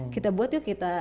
kita buat yuk kita